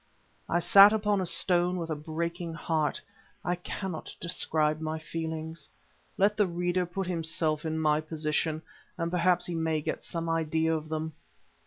I sat upon a stone with a breaking heart. I cannot describe my feelings. Let the reader put himself in my position and perhaps he may get some idea of them.